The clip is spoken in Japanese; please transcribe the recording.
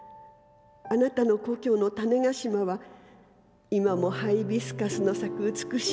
あなたの故郷の種子島は今もハイビスカスの咲く美しい島です。